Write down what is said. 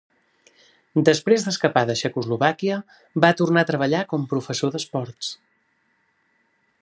Després d'escapar de Txecoslovàquia, va tornar a treballar com professor d'esports.